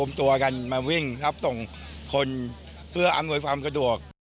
ไม่ได้กับซึ่งรวมเลย